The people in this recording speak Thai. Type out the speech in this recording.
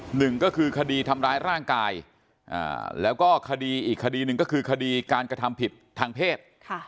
หนึ่งก็คือคดีทำร้ายร่างกายแล้วก็คดีอีกคดีหนึ่งก็คือคดีการกระทำผิดทางเพศ